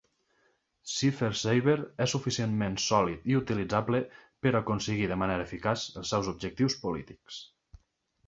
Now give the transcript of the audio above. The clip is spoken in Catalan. CipherSaber es suficientment sòlid i utilitzable per aconseguir de manera eficaç els seus objectius polítics.